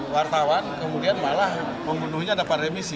wartawan kemudian malah membunuhnya dapat remisi